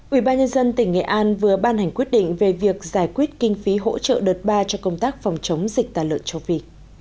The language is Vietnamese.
ubnd tỉnh nghệ an vừa ban hành quyết định về việc giải quyết kinh phí hỗ trợ đợt ba cho công tác phòng chống dịch tả lợn châu phi